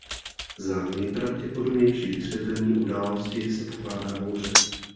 Za nejpravděpodobnější vysvětlení události se pokládá bouře.